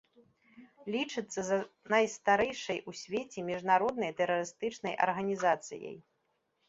Лічыцца за найстарэйшай у свеце міжнароднай тэрарыстычнай арганізацыяй.